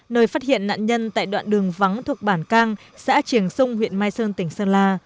nơi phát hiện nạn nhân tại đoạn đường vắng thuộc bản cang xã triềng xung huyện mai sơn tỉnh sơn la